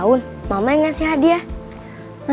bun bun dengan citra